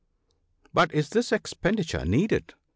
" But is this expenditure needed